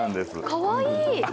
かわいい。